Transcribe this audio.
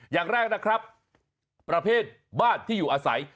อย่างแรกนะครับประเภทบ้านที่อยู่อาศัย